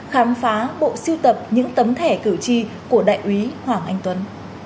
khám phá bộ siêu tập những tấm thẻ cử tri của đại úy hoàng anh tuấn